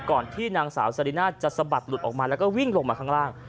ก่อนที่นางสาวซาริน่าจะสะบัดหลุดออกมาแล้วก็วิ่งลงมาข้างล่าง